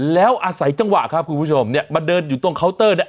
แล้วอาศัยจังหวะครับคุณผู้ชมเนี่ยมาเดินอยู่ตรงเคาน์เตอร์เนี่ย